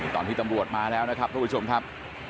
ตอนที่ตำรวจมาแล้วนะครับทุกผู้ชมครับ